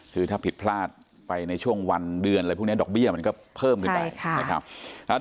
คือถ้าผิดพลาดไปในช่วงวันเดือนอะไรพวกนี้ดอกเบี้ยมันก็เพิ่มขึ้นไปนะครับ